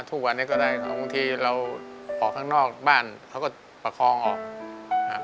ทุกวันนี้ก็ได้บางทีเราออกข้างนอกบ้านเขาก็ประคองออกครับ